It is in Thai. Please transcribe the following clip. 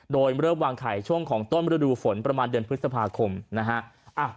โดยเริ่มวางไข่ช่วงของต้นฤดูฝนประมาณเดือนพฤษภาคมนะฮะ